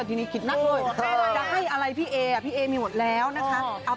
ทีนี้คิดมากเลยจะให้อะไรพี่เอพี่เอมีหมดแล้วนะคะ